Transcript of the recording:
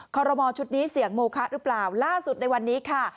ขอรมอชุดนี้เสี่ยงโมคะหรือเปล่าล่าสุดในวันนี้ค่ะ